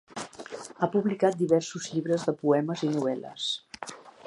Ha publicat diversos llibres de poemes i novel·les.